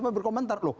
cuma berkomentar loh